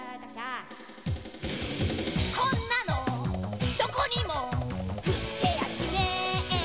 「こんなのどこにも売ってやしめえ」